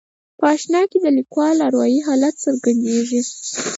په انشأ کې د لیکوال اروایي حالت څرګندیږي.